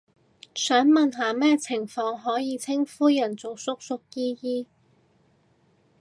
想問下咩情況可以稱呼人做叔叔姨姨？